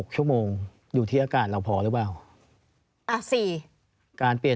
ชั่วโมงอยู่ที่อากาศเราพอหรือเปล่า